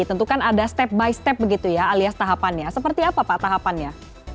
tentu kan ada step by step begitu ya alias tahapannya seperti apa pak tahapannya